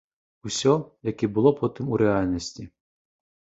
Усё, як і было потым у рэальнасці.